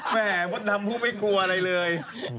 แม่มดดำพูดไม่กลัวอะไรเลย